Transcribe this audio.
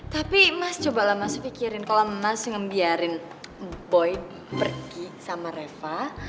tapi mas cobalah mas pikirin kalau mas ngebiarin boy pergi sama reva